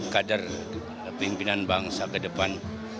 kader pimpinan bangsa ke depan